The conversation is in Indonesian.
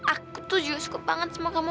ah aku tuh juga suka banget sama kamu